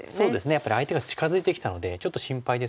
やっぱり相手が近づいてきたのでちょっと心配ですけども。